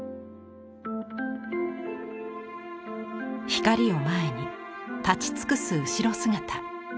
光を前に立ち尽くす後ろ姿。